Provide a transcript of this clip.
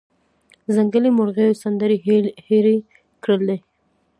ځنګلي مرغېو سندرې هیرې کړلې